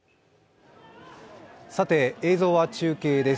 映像は中継です。